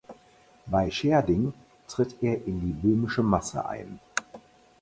Bei Schärding tritt er in die Böhmische Masse ein.